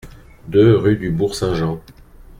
deux rue du Bourg Saint-Jean